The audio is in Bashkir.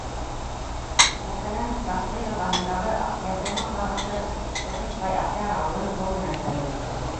Мәҫәлән, Ташлы йылғаһындағы Аҡъяр һыу һаҡлағысы тотошлай Аҡъяр ауылын һыу менән тәьмин итә.